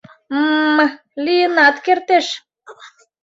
— М-м, лийынат кертеш.